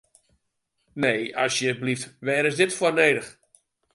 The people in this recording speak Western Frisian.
Nee, asjeblyft, wêr is dit foar nedich?